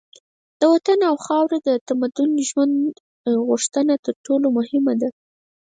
د وطن او خاوره د عزتمند ژوند غوښتنه تر ټولو مهمه ده.